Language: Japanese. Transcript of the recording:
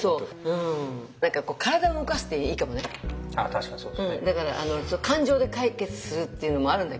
確かにそうですね。